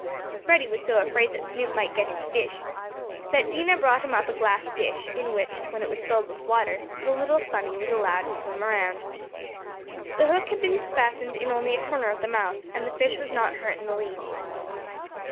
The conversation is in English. Freddie was so afraid that Snoop might get his fish, that Dinah brought him up a glass dish, in which, when it was filled with water, the little "sunny" was allowed to swim around. The hook had become fastened in only a corner of the mouth, and the fish was not hurt in the least.